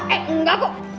eh enggak kok